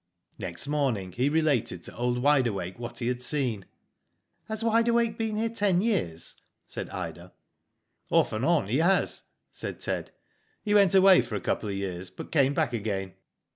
'' Next morning he related to old Wide Awake what he had seen/* *' Has Wide Awake been here ten years ?" said Ida. *' Off and on, he has,'* said Ted. " He went away for a couple of years, but came back again.